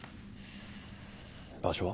場所は？